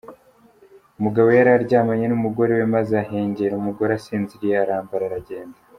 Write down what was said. Umugabo yari aryamanye n’umugore we, maze ahengera umugore asinziriye arambara aragenda.